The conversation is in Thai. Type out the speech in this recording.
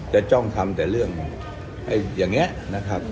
จะจ้องทำแต่เรื่องให้อย่างเงี้ยนะครับ